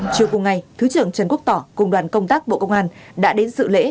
chiều cùng ngày thứ trưởng trần quốc tỏ cùng đoàn công tác bộ công an đã đến sự lễ